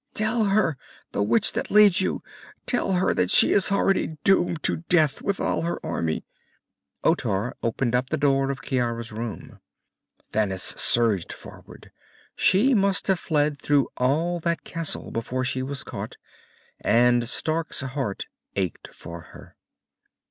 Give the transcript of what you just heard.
"Tell her, the witch that leads you! Tell her that she is already doomed to death, with all her army!" Otar opened up the door of Ciara's room. Thanis surged forward. She must have fled through all that castle before she was caught, and Stark's heart ached for her.